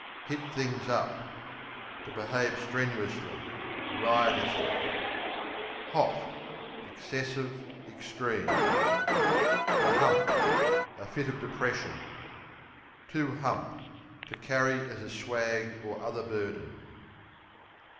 Hit things up To behave strenuously; riotously. Hot Excessive, extreme. Hump, the A fit of depression. Hump, to To carry as a swag or other burden.